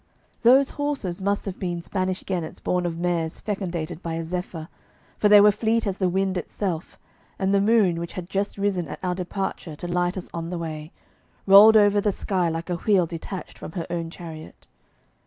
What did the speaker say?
Those horses must have been Spanish genets born of mares fecundated by a zephyr, for they were fleet as the wind itself, and the moon, which had just risen at our departure to light us on the way, rolled over the sky like a wheel detached from her own chariot.